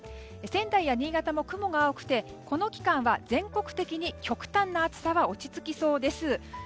仙台や新潟も雲が多くてこの期間は全国的に極端な暑さは落ち着きそうです。